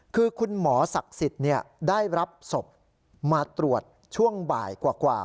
คือคุณหมอศักดิ์สิทธิ์ได้รับศพมาตรวจช่วงบ่ายกว่า